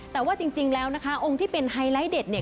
แต่ว่าจริงแล้วนะคะองค์ที่เป็นไฮไลท์เด็ดเนี่ย